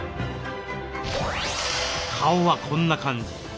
顔はこんな感じ。